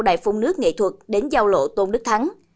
đài phun nước nghệ thuật đến giao lộ tôn đức thắng